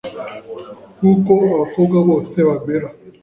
nkuko abakobwa bose bamera